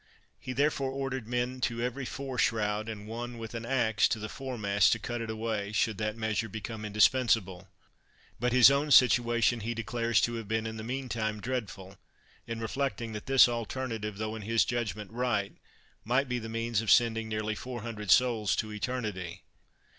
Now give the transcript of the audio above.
He therefore ordered men to every fore shroud, and one with an axe to the foremast to cut it away should that measure become indispensable. But his own situation he declares to have been in the meantime dreadful; in reflecting that this alternative, though in his judgment right, might be the means of sending nearly four hundred souls to eternity.